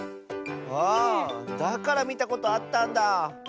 あだからみたことあったんだ。